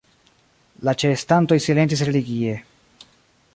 La ĉeestantoj silentis religie.